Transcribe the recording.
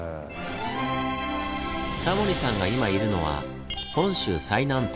タモリさんが今いるのは本州最南端。